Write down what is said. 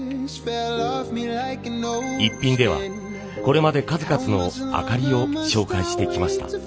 「イッピン」ではこれまで数々の灯りを紹介してきました。